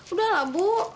udah lah bu